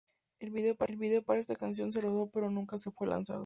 El video para esta canción se rodó pero nunca fue lanzado.